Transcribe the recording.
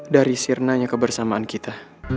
dari sirnanya kebersamaan kita